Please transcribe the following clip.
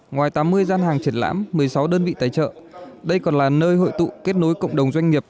ngoài tám mươi gian hàng triển lãm một mươi sáu đơn vị tài trợ đây còn là nơi hội tụ kết nối cộng đồng doanh nghiệp